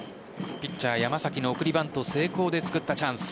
ピッチャー・山崎の送りバント成功でつくったチャンス。